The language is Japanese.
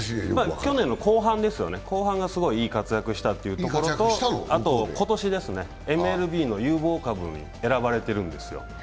去年の後半がすごいいい活躍をしたというところとあと、今年、ＭＬＢの有望株に選ばれてるんですよ。